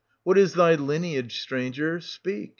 What is thy lineage, stranger, — speak